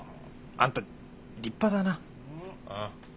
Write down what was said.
あんた立派だな。